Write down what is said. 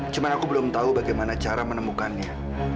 cuma aku belum tahu bagaimana cara menemukannya